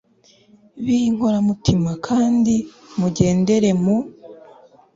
b'inkoramutima, kandi mugendere mu